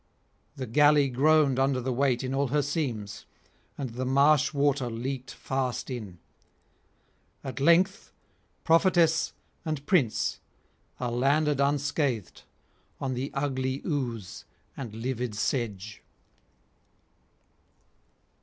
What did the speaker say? The galley groaned under the weight in all her seams, and the marsh water leaked fast in. At length prophetess and prince are landed unscathed on the ugly ooze and livid sedge.